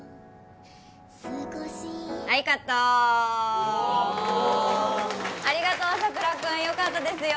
はいカットおおありがとう朝倉君よかったですよ